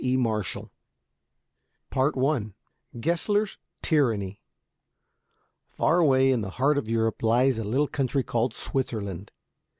E. MARSHALL I GESSLER'S TYRANNY Far away in the heart of Europe there lies a little country called Switzerland.